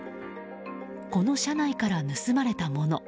この車内から盗まれたもの。